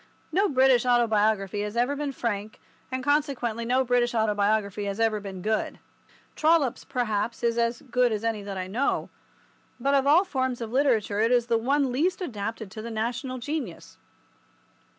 No British autobiography has ever been frank, and consequently no British autobiography has ever been good. Trollope's, perhaps, is as good as any that I know, but of all forms of literature it is the one least adapted to the national genius.